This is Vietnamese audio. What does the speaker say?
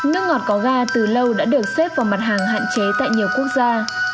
nước ngọt có ga từ lâu đã được xếp vào mặt hàng hạn chế tại nhiều quốc gia